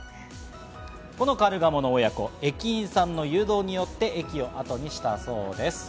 このカルガモの親子、駅員さんの誘導によって駅をあとにしたそうです。